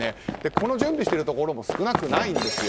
この準備をしているところも少なくないんですよ。